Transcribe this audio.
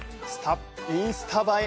インスタ映え